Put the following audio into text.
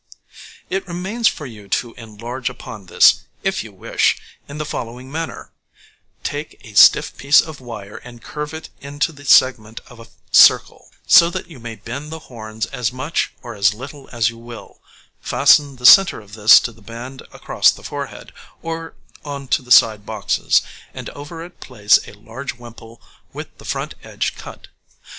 It remains for you to enlarge upon this, if you wish, in the following manner: take a stiff piece of wire and curve it into the segment of a circle, so that you may bend the horns as much or as little as you will, fasten the centre of this to the band across the forehead, or on to the side boxes, and over it place a large wimple with the front edge cut.